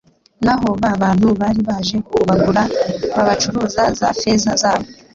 naho ba bantu bari baje kubagura babacuza za feza zabo